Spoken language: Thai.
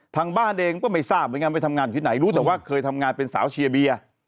ทางบ้านเองก็ไม่ทำงานอยู่ไหนรู้แต่ว่าเคยทำงานเป็นสาวเชียร์เบียร์